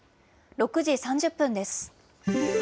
６時３０分です。